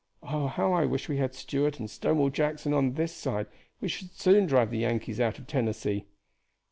Oh, how I wish we had Stuart and Stonewall Jackson on this side! we should soon drive the Yankees out of Tennessee."